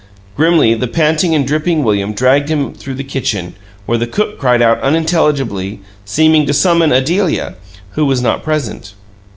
Grimly the panting and dripping William dragged him through the kitchen, where the cook cried out unintelligibly, seeming to summon Adelia, who was not present.